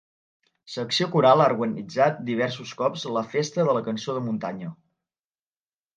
Secció coral ha organitzat diversos cops la Festa de la cançó de muntanya.